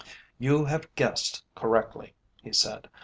"You have guessed correctly," he said.